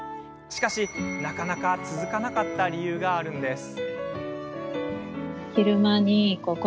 しかし、なかなか続かなかった理由があるんです。